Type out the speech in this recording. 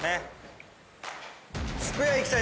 スペアいきたい！